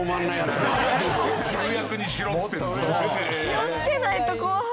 気をつけないと怖い！